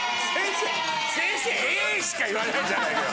先生「エイ！」しか言わないじゃないのよ